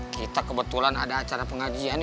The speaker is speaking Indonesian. kita kebetulan ada acara pengajian